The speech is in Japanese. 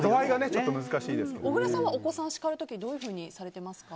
小倉さんはお子さんをしかる時、どうされていますか。